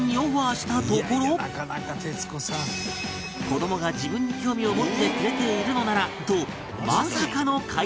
子どもが自分に興味を持ってくれているのならとまさかの快諾